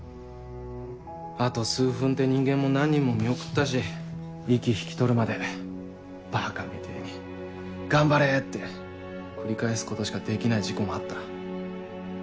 あと数分って人間も何人も見送ったし息引き取るまでバカみてぇに「頑張れ」って繰り返すことしかできない事故もあった。